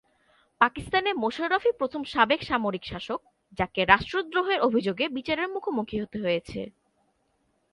পাকিস্তানে মোশাররফই প্রথম সাবেক সামরিক শাসক, যাঁকে রাষ্ট্রদ্রোহের অভিযোগে বিচারের মুখোমুখি হতে হয়েছে।